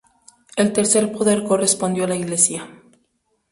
El tercer poder correspondió a la Iglesia.